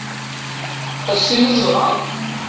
Ad as-t-tiniḍ dɣa?